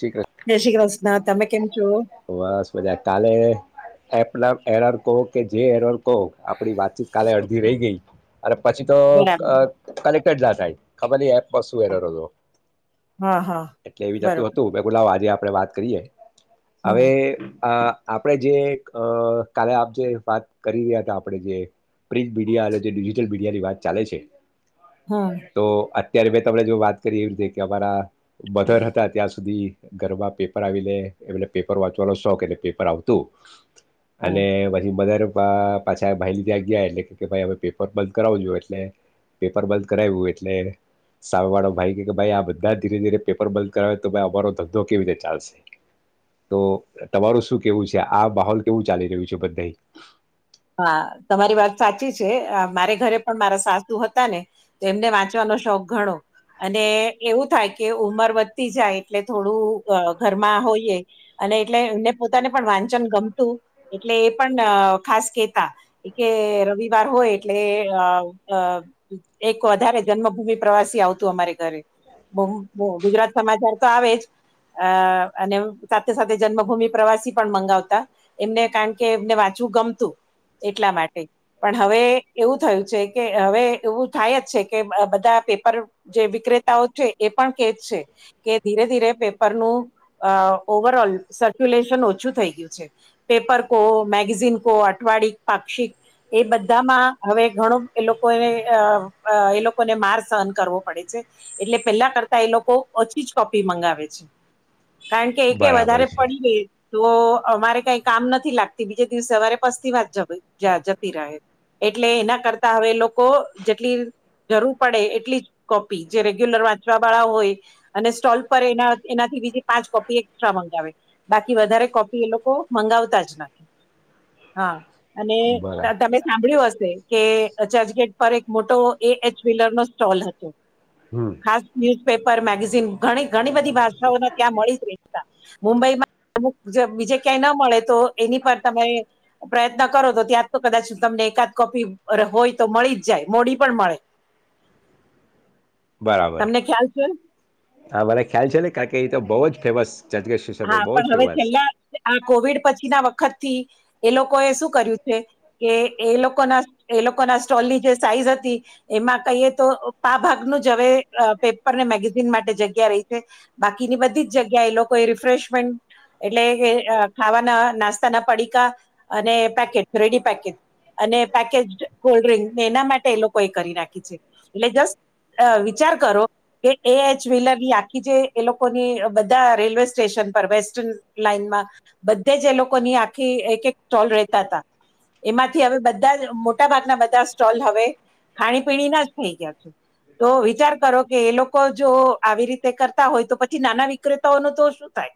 શીખ જય શ્રી કૃષ્ણ તમે કેમ છો બસ બધા કાલે એપ નામ એરર કહો કે જે એરર કહો આપ વાતચીત કાલે અડધી રહી ગઈ અને પછી તો બરાબર કલેક ખબર એ બસું [unintelligible] હા હા બરોબર. લા આજે આપડ વાત કરીએ હમ હવે આ આપણે જે કાલે આપ જે વાત કરી રહ્યા હતા આપણે જે પ્રિન્ટ મીડિયા અને જે ડિજિટલ મીડિયાની વાત ચાલે છે. હમ હમ તો ત્યારે મે તને જો વાત કરી એવી રીતે કે અમારા મધર હતા. ત્યાં સુધી ઘરબ પેપર આવી લે એલે પેપર વાંચવાનો શોખ એટલે પેપર આવતું અને પછી બધારે પાછા ભાઈ લીધ્યા ગયા એટલે ભાઈ હમે પેપર બંધ કરાવુંજો એટલે પેપર બંધ કરાવ્યું એટલે સામે વાળો ભાઈ કે ભાઈ આ બધા ધીરે ધીરે પેપર બંધ કર તો ભાઈ અમારો ધંધો કેવી રીતે ચાલશે તો તમારું શું કેવું છે આ માહોલ કેવું ચાલી રહ્યું છે બધા હા તમારી વાત સાચી છે મારે ઘરે પણ મારા સાસુ હતા ને તો એમને વાંચવાનો શોખ ઘણો અને એવું થાય કે ઉંમર વધતી જાય એટલે થોડું ઘરમાં હોઈએ અને એટલે એમને પોતાને પણ વાંચન ગમતું એટલે એ પણ ખાસ કેતા એ રવિ વાર હોય એટલે અ એક વધારે જન્મભૂમિ પ્રવાસી આવતું અમારે ઘરે ગુજરાત સમાચાર તો આવે જ અ અને સાથે સાથે જન્મભૂમિ પ્રવાસી પણ મંગાવતા એમને કારણ કે એમને વાંચવું ગમતું એટલા માટે પણ હવે એવું થયું છે કે હવે એવું થાય જ છે કે બધા પે ર જે વિક્રેતાઓ છે એ પણ કે છે કે ધીરે ધીરે પેપરનું અ ઓવર ઓલ સર્ક્યુલેશન ઓછું થઈ ગયું છે પેપર કો મેગઝિન કો અઠવાડી પાક્ષિક એ બધામાં હવે ઘણું એ લોકોને એ લોકોને માર સહન કરવો પડે છે એટલે પેલા કરતા એ લોકો ઓછી જ કોપી મંગાવે છે. કારણ કે એ બરાબર વધારે છે પડી ગઈ તો અમારે કઈ કામ નથી લાગતી બીજે દિવસે સવારે સ્ જતી રહે એટલે એના કરતા હવે કો જેટલી જરૂર પડે એટલી જ કોપી જે રેગ્યુલર વાંચવા વાળા હોય અને સ્ટોલ પર એ એનાથી બીજી પાંચ કોપી એકસ્ટ્રા મંગાવે બાકી વધારે કોપી એ લોકો મંગાવતા જ નથી. હા અને બરા તમે સાંભળ્યું હ કે ચર્ચગેટ પર એક મોટો એ એચ વ્લર નો સ્ટોલ હતો હમ ખાસ પેપર મેગઝીન ઘણી ઘણી બધી ભાષાઓને ત્યાં મળી રહ હતા મુંબઈમાં અુ બીજે ક્યાંય ન મળે તો એની પર તમે પ્રયત્ન કરો તો ત્યાં તો કદાચ તમને એકાદ કોપી હોય તો મળી જ જાય મોડી પણ મળે બરાબર તમને ખ્યાલ છે ને હા ભલે ખ્યાલ છે ને કાર કે તો બહુ જ ફેમસ જજગેશ કિશોર પર હા બહુ જ પણ હવે ફેમસ છેલ્લા આ કોવિડ પછી ના વખત થી એ લોકો એ શું કર્યું છે કે એ લોકોના એ લોકોના સ્ટોલની જે સાઈઝ હતી એમાં કહીએ તો પા ભાગનું જ હવે પેપરને મેગેઝિન માટે જગ્યા રહી છે બાકીની બધી જ જગ્યા એ લોકો કોઈ રિફ્રેશમેન્ટ એટલે કે ખાવાના નાસ્તાના પડીકા અને પેકેટ રેડી પેકેટ અને પેકેજ કોલ્ડ્રિંકને એના માટે એ લોકો એ કરી નાખી છે એટલે જસ્ટ વિચાર કરો કે એ એચ વ્હીલરની આખી જે એ લોકોની બધા રેલવે સ્ટેશન પર વેસ્ટન લાઈનમાં બધે જ એ લોકોની આખી એક એક સ્ટોલ રેતા હતા એમાંથી હવે બધા મોટા ભાગના બધા સ્ટોલ હવે ખાણી પીણી ના જ થઈ ગયા છે તો વિચાર કરો કે એ લોકો જો આવી રીતે કરતા હોય તો પછી નાના વિક્રેતાઓનું તો થાય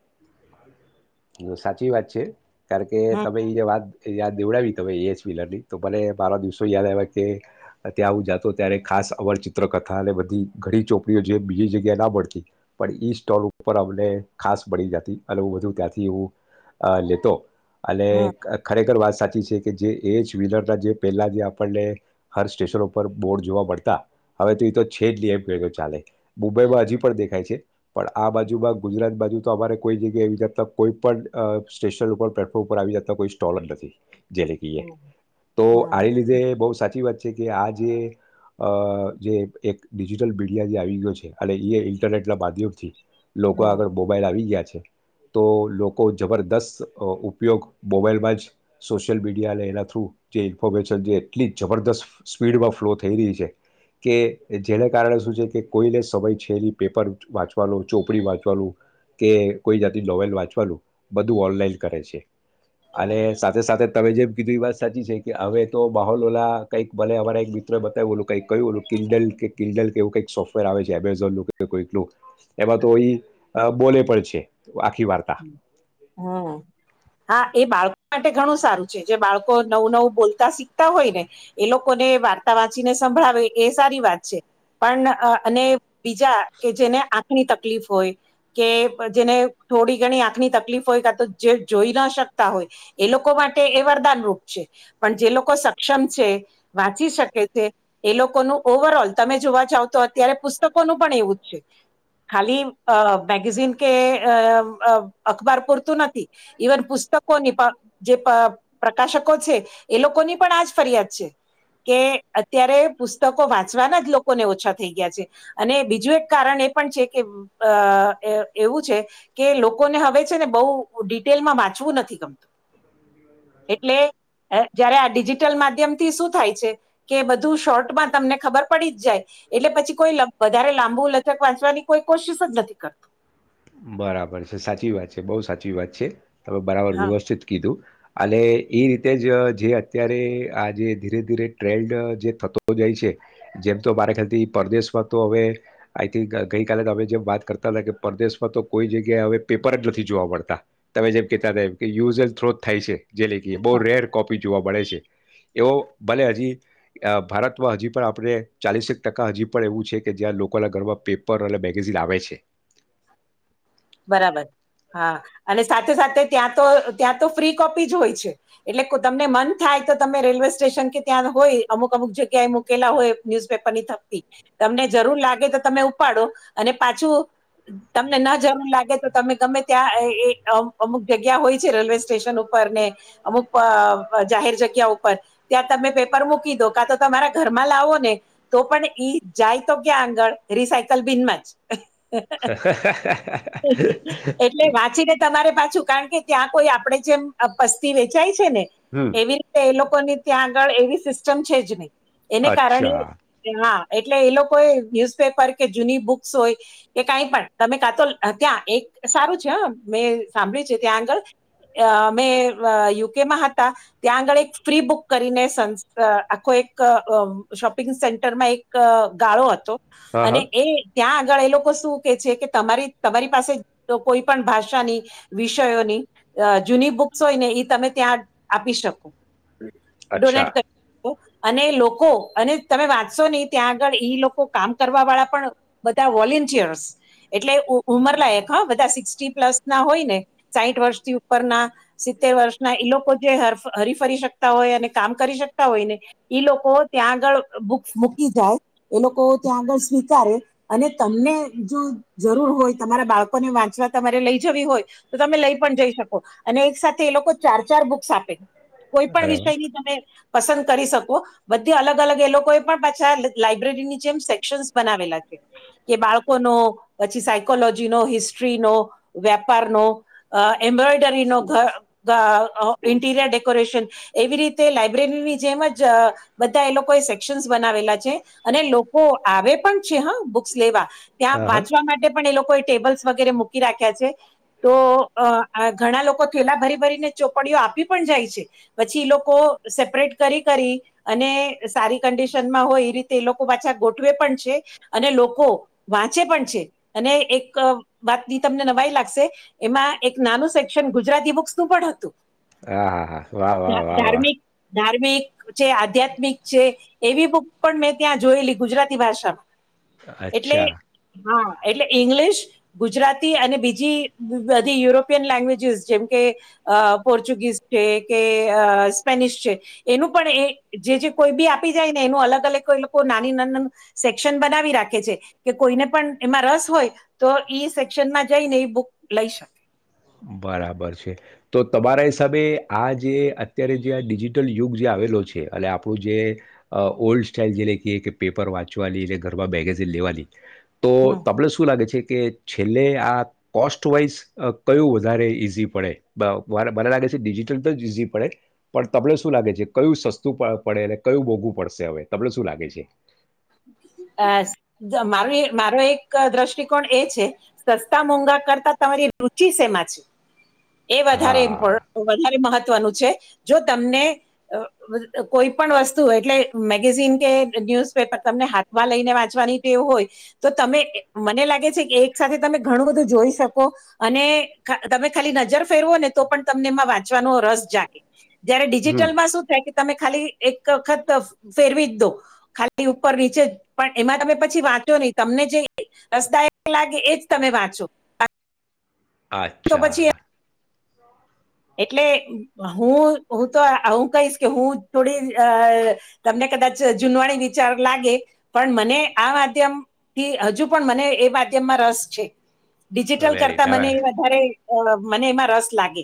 સાચી વાત છે હ કર કે હમ તમે જે વાત એ યાદ દેવડાવી તમે એ એસ વ્હીલરની તો મને મારા દિવસો યાદ આવ કે ત્યાં હું જાતો ત્યારે ખાસ અવરચિત્રકથા અને બધી ઘણી ચોપડીઓ જે બીજી જગ્યાએ ના મળતી પણ સ્ટોલ ઉપર અમને ખાસ બળી જતી અને હ બધું ત્યાંથી એું લેતો અને હમ ખરેખર વાત સાચી છે કે જે એ જ વ્હીલરના જે પહેલા જે આપણને હર સ્ટેશન ઉપર બોર્ડ જોવા મળતા હવે તો એ તો છે જ નહી એમ ક ચાલે મુંબઈમાં હજી પણ દેખ ાય છે પણ આ બાજુમાં ગુજરાત બાજુ તો અમારે કોઈ જગ્યાએ આવી જતા કોઈ પણ સ્ટેશન ઉપ પ્લેટફોર્મ ઉપર આવી જતા કોઈ સ્ટોલ જ નથી જેલે કીએ હમ તો આ લીધે બહુ સાચી વાત આ એક ડિજિટલ મીડિયા જે આવી ગયો છે અને ઇરનેટલા બાધુથી લોકો હમ આગળ મોબાાઈલ આવી ગયા છે તો લોકો જબરદસ્ત ઉપયોગ મોબાઈલમાં જ સોશિયલ મીડિયા અને એના થ્રુ જે ઈન્ફોર્મેશન જે એટલી જબરદસ્ત સ્પીડમાં ફ્લો થઈ રહી છે કે જેને કારણે શું છે કે કોઈને સમય છેલ્લી પેપર વાંચવાનું ચોપડી વાંચવાનું કે કોઈ જાતિ નોવેલ વાંચવાનું બધું ઓનલાઈન કરે છે અને હમ સાથે સાથે તમે જેમ કીધું એ વાત સાચી છે કે હવે તો માહોલલા કઈક ભલે અમારા એક મિત્રો એ બતાવ્યું ઓલું કઈક ક્યુંું ઓું કિડલ કે કિન્ડલ કેવું કઈ સોફવેર આવે છે એમેઝોનનું કોઈ લો એવા તો ઈ અ બોલે પણ છે. આખી વાર્તા હમ હા આ એ બાળક માટે ઘણું સારું છે જે બાળકો નવું નવું બોલતા શીખતા હોય ને એ લોકોને વાર્તા વાંચીને સંભળાવે એ સારી વાત છે પણ અ અને બીજા કે જેને આ ની તકલીફ હોય કે જેને થોડી ઘણી આંખની તકલીફ હોય કા તો જે જોઈ ના શકતા હોય એ લોકો માટે એ વરદાનરૂપ છે પણ જે લોકો સક્ષમ છે વાંચી શકે છે એ લોકોનું ઓવરોલ તમે જોવા જાવ તો અત્યારે પુસ્તકોનું પણ એવું જ છે ખાલી મેગેઝિન કે અ અખબાર પૂરતું નથી ઈવન પુસ્તકો ની પણ જે પ પ્રકાશકો છે. એ લોકોની પણ આજ ફરિયાદ છે કે અત્યારે પુસ્તકો વાંચવાના જ લોકોને ઓછા થઈ ગયા છે અને બીજું એક કારણ એ પણ છે કે અ એવું છે કે લોકોને હવે છે ને બહુ ડિટેલમાં વાંચવું નથી ગમતું એટલે જયારે આ ડિજિટલ માધ્યમ થી શું થાય છે કે બધું શોર્ટમાં તમને ખબર પડી જ જાય એટલે પછી કોઈ વધારે લાંબુ લથક વાંચવાની કોઈ કોશિશ જ નથી કરતુ. બરાબર છે સાચી વાત છે બહુ સાચી વાત છે. તમે બરાબર હા વ્યવસ્થિત કીધું. અને એ રીતે જ જે અત્યારે આ જે ધીરે ધીરે ટ્રેન્ડ જે થતો જાય છે જેમ તો મારે ખ્યાલથી પરદેશમાં તો હવે આઈથિંક ગઈકાલે અમે જેમ વાત કરતા હતા ને કે પરદેશ તો કોઈ જગ્યાએ હવે પેપર જ નથી જોવા મળતા તમે જેમ કહેતા હતા એ એમ પીયુઝલ થ્રો થાય છે. જે લેકીયે બઉ રેડ કોપી જોવા મળે છે એવો ભલે હજી ભારતમાં હજી પણ આપણે ચાલીસેક ટકા હજી પણ એવું છે કે જ્યાં લોકોના ઘરમાં પેપર અને મેગેઝિન આવે છે. બરાબર હા અને સાથે સાથે ત્યાં તો ત્યાં તો ફ્રી કોપી જ હોય છે એટલે કુદમને મન થાય તો તમે રેલવે સ્ટેશન કે ત્યાં હોય અમુક અમુક જગ્યાએ મૂકેલા હોય ન્યુઝપેપરની થપકી તમને જરૂર લાગે તો તમે ઉપાડો અને પાછું તમને ના જેમ લાગે તો તમે ગમે ત્યાં એ અમુક જગ્યા હોય છે રેલવે સ્ટેશન ઉપર ને અમુક જાહેર જગ્યા ઉપર ત્યાં તમે પેપર મૂકી દો કા તો તમારા ઘરમાં લાવો ને તો પણ ઈ જાય તો ક્યાં આગળ રિસાયકલ બિનમાં જ. [inaudible] એટલે વાંચીને તમારે પાછું કાણ કે ત્યાં કોઈ આપડે જેમ પસ્તી વેચાય તો ને એની રીતે એ લોકોની ત્યાં આગળ એવી સિસ્ટમ છે જ નઈ. એને કારણે અચ્છા કે હા એટલે એ લોકો એ ન્યુઝપેપર કે જૂની બુક્સ હોય, કે કાંઈ પણ તમે કા તો ત્યાં એક સારું છે હ મેં સાંભળ્યું છે ત્યાં આગળ, મેં યુકેમાં હતા, ત્યાં આગળ એક ફ્રી બુક કરીને આખો એક શોપિંગ સેન્ટરમાં એક ગાળો હતો. હા અને હા એ ત્યાં પણ એ લોકો શું કે છે કે તમારી તમારી પાસે કોઈ પણ ભાષાની, વિષયોની જૂની બુક્સ હોય ને એ તમે ત્યાં આપી શકો. અચ્છા ડોનેટ કરવું. અને લોકો અને તમે વાંચશો નહી ત્યાં આગળ ઈ લોકો કામ કરવા વાળા પણ બધા વોલન્ટિયર્સ એટલે ઉ ઉંમર લયક હા બધા શિક્ષ્ટિન પ્લસ ના હોય ને સાઈઠ વર્ષથી ઉપરના સિત્તેર વર્ષના, એ લોકો જે હરીફરી શકતા હોય અને કામ કરી શકતા હોય ને, તે લોકો ત્યાં આગળ બુક્સ મૂકી જાય એ લોકો ત્યાં આગળ સ્વીકારે, અને તમને જો જરૂર હોય તમારા બાળકોને વાંચવા તમારે લઈ જવી હોય, તો તમે લઈ પણ જઈ શકો, અને એક સાથે એ લોકો ચાર ચાર બુક્સ આપે. કોઈ પણ બરાબર વિષય ની તમે પસંદ કરી શકો, બધી અલગ અલગ એ લોકો એ પણ પાછા લાઈબ્રેરીની જેમ સેક્શનસ બનાવેલા છે, કે બાળકોનો પછી સાઈ કોલોજીનો હિસ્ટ્રીનો, વેપારનો, અ એમ્બ્રોયડરીનો ઘ ઘા ઇન્ટીરિયર ડેકોરેશન, એવી રીતે લાયબ્રેરીની જેમ જ બધા એ લોકો એ સેક્શનસ બનાવેલા છે અને લોકો આવે પણ છે હ બુક્સ લેવા. હા ત્યાં હા વાંચવા માટે લોકો ટેબલ્સ વગેરે મૂકી રાખ્યા છે, તો અ આ ઘણા લોકો થેલા ભરી ભરીને ચોપડીઓ આપી પણ જાય છે, પછી એ લોકો સેપરેટ કરી કરી, અને સારી કન્ડિશનમાં હોય એ રીતે એ લોકો પાછા ગોઠવે પણ છે, અને લોકો વાંચે પણ છે. અને અ એક વાત ની તમને નવાઈ લાગશે, એમાં એક નાનું સેક્શન ગુજરાતી બુક્સ નું પણ હતું. હા હા હા, વાહ વાહ ધા- વાહ વાહ. ધાર્મિક છે આધ્યાત્મિક છે, એવી બુક પણ મેં ત્યાં જોયેલી ગુજરાતી ભાષામાં. એટલે અચ્છા. હા. એટલે ઇંગ્લિશ, ગુજરાતી અને બીજી બધી યુરોપિયન લેંગ્વેજસ જેમ કે, અ પોર્ચુગીઝ છે કે અ સ્પેનિશ છે, એનું પણ એ જે જે કોઈ બી આપી જાય ને એનું અલગ-અલગ કો લોકો નાની નાની સેક્શન બનાવી રાખે છે, કે કોઈને પણ એમાં રસ હોય તો ઈ સેક્શનમાં જઈને એ બુક લઈ શકે. બરાબર છે, તો તમારા હિસાબે આ જે અત્યારે જે આ ડિજિટલ યુગ જે આવેલો છે અને આપણું જે, અ ઓલ્ડ સ્ટાાઈલ જે લ કએ કે પેપર વાંચવાની અને ઘરમાં મેગેઝિન લેવાની. તો તમને શું લાગે છે કે છેલ્લે આ કોસ્ટવાઈઝ અહ કયું વધારે ઈઝી પડે, મ મન મને લાગે છે ડિજિટલ તો જ ઈઝી પડે, પણ તમને શું લાગે છે કયું સસ્તું પ પડે અને કયું મોઘું પડશે હવે તમને શું લાગે છે? અહ સ મારો એ મારો એક દ્રષ્ટિકોણ એ છે સસ્તા મોંઘા કરતા તમારી રુચિ શેમાં છે એ વધારે ઇમ્પો હા. વધારે મહત ત્વનું છે જો તમને અહ અહ કોઈ પણ વસ્તુ એટલે મેગેઝિન કે ન્યૂઝ પેપર તમને હાથમાં લઈને વાંચવાની ટેવ હોય તો તમે એ મને લાગે છે કે એક સાથે તમે ઘણું બધું જોઈ શકો અને ખા તમે ખાલી નજર ફેરવો ને તો પણ તમને એમાં વાંચવાનો રસ જાગે. જયારે હમ. ડિજિટલ માં શું થાય કે તમે ખાલી એક વખત ફેરવી જ દો. ખા લી ઉપર નીચે જ, પણ એમાં તમે પછી વાંચો નહી, તમને જે રસદાયક લાગે એજ તમે વાંચો. તો આચ્છા. પછી એટલે હું-હું તો આ હું કહીશ કે હું થોડી અહ તમને કદાચ જ જૂનવાણી વિચાર લાગે પણ મને આ માધ્યમ થી હજુ પણ મને એ માધ્યમમાં રસ છે. ડિજિટલ વેરી કરતા ના, મને ના. વધારે અહ મને એમાં રસ લાગે.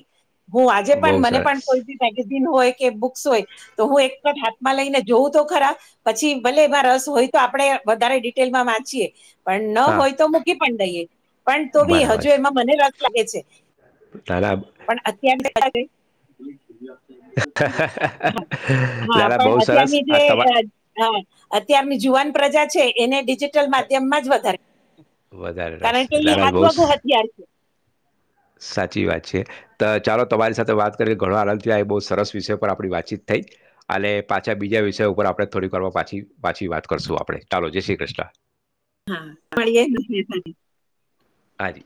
હું આજે પણ બહુ મને પણ સરસ. કોઈ ભી મેગે ઝિન હોય કે બુક્સ હોય તો, હું એક જ હાથમાં લઈને જોઉં તો ખરા પછી ભલે એમાં રસ હોય તો આપણે વધારે ડિટેલમાં વાંચીએ. પણ ન હા, હોય તો મૂકી પણ દઈએ. પણ તો બી હજુ એમાં મને લાગ લાગે છે. તારા બ [inaudible] [inaudible] હા, ના, ના પણ બહુ સરસ. અત્યારની જે આ તમા અ-અ અત્યારની જુવાન પ્રજા છે એને ડી જિટલ માધ્યમમાં જ વધારે વધારે કારણ રસ. કે એ ના, ના બહુ સ [unintelligible] સાચી વાત છે તો ચાલો તમારી સાથે વાત કરી ઘણો આનંદથી આ બહુ સરસ વિષય પર આપણી વાતચીત થઈ અને પાછા બીજા વિષય ઉપર આપણે થોડી વાર પાછી પાછી વાત કરશું આપડણે ચાલો જય શ્રી કૃષ્ણ. હા પણ એ [unintelligible] હાઇ